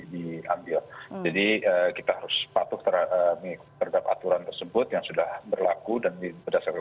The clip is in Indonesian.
diambil jadi kita harus patuh terhadap aturan tersebut yang sudah berlaku dan berdasarkan